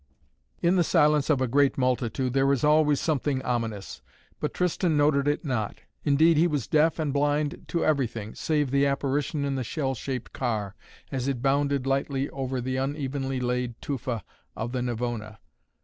In the silence of a great multitude there is always something ominous. But Tristan noted it not. Indeed he was deaf and blind to everything, save the apparition in the shell shaped car, as it bounded lightly over the unevenly laid tufa of the Navona.